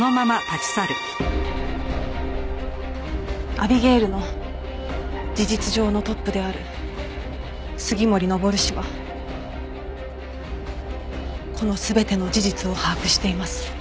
「アビゲイルの事実上のトップである杉森登氏はこの全ての事実を把握しています」